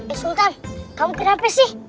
di sultan kamu kenapa sih